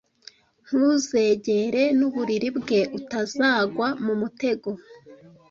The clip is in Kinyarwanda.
ntuzegere n’uburiri bwe! Utagwa mumutego